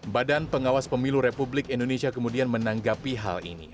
badan pengawas pemilu republik indonesia kemudian menanggapi hal ini